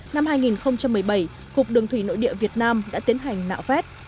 năm hai nghìn một mươi bảy hục đường thủy nội địa việt nam đã tiến hành nạo phét